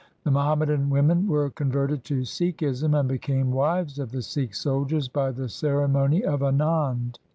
The Muhammadan women were converted to Sikhism, and became wives of the Sikh soldiers by the cere mony of Anand.